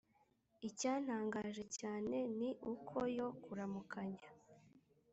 icyantangaje cyane ni uko yo kuramukanya,